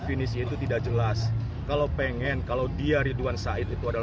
memastikan kerajaan galuh berdiri sesuai hasil penelitian ahli